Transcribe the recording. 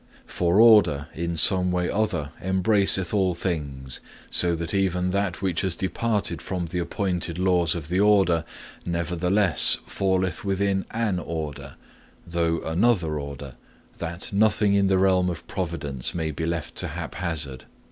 For order in some way or other embraceth all things, so that even that which has departed from the appointed laws of the order, nevertheless falleth within an order, though another order, that nothing in the realm of providence may be left to haphazard.